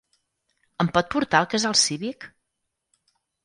Em pot portar al casal cívic?